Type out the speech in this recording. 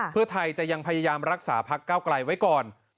เพื่อไทยจะยังพยายามรักษาพักเก้าไกลไว้ก่อน